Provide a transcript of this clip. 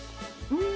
うん！